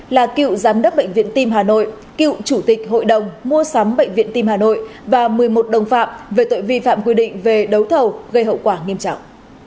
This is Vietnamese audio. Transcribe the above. là cựu giám đốc bệnh viện tim hà nội cựu chủ tịch hội đồng mua sắm bệnh viện tim hà nội và một mươi một đồng phạm về tội vi phạm quy định về đấu thầu gây hậu quả nghiêm trọng